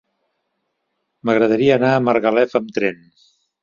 M'agradaria anar a Margalef amb tren.